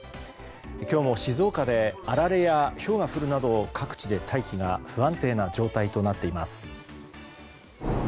今日も静岡であられや、ひょうが降るなど各地で大気が不安定な状態となっています。